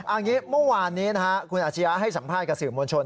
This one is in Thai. อันนี้เมื่อวานนี้นะฮะคุณอาชียะให้สัมภาษณ์กับสื่อมวลชน